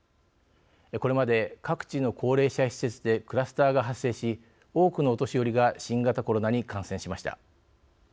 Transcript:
これまで各地の高齢者施設でクラスターが発生し多くのお年寄りが新型コロナに感染しました。